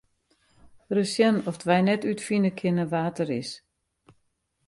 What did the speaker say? Ris sjen oft wy net útfine kinne wa't er is.